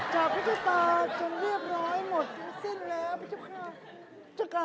จากพระเจ้าตาจนเรียบร้อยหมดอยู่สิ้นแล้วพระเจ้าข้า